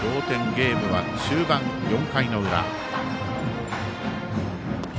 ゲームは中盤４回の裏。